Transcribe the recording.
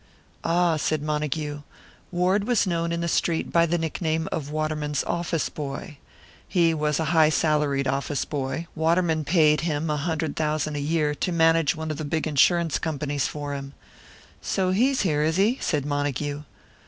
"Ah," said Montague. Ward was known in the Street by the nickname of Waterman's "office boy." He was a high salaried office boy Waterman paid him a hundred thousand a year to manage one of the big insurance companies for him. "So he's here, is he?" said Montague.